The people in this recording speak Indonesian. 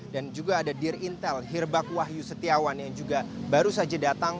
dan juga ada dir intel hirbak wahyu setiawan yang juga baru saja datang